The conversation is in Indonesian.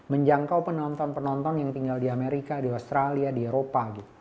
menjangkau penonton penonton yang tinggal di amerika di australia di eropa